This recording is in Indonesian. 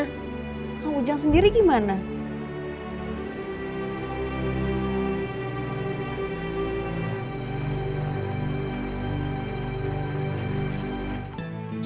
kang ujang sendiri gimana